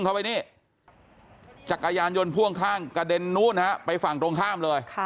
เข้าไปนี่จักรยานยนต์พ่วงข้างกระเด็นนู้นฮะไปฝั่งตรงข้ามเลย